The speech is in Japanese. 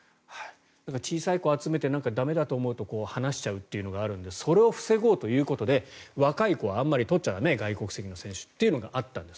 小さい子を集めて駄目だと思うと離しちゃうっていうのがあるのでそれを防ごうということで若い子はあんまり取っちゃ駄目外国籍の選手はというのがあったんです